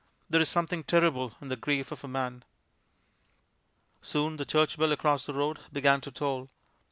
There is something terrible in the grief of a man. Soon the church bell across the road began to toll.